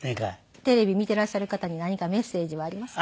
テレビ見ていらっしゃる方に何かメッセージはありますか？